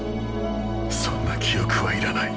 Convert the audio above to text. そんな記憶はいらない。